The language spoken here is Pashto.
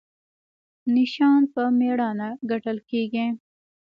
نشان په میړانه ګټل کیږي